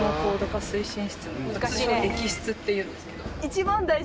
通称駅室っていうんですけど。